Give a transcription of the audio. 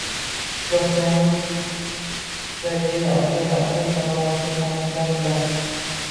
Kitobchangni-da, dedi Otello aka salobatli qarashlar bilan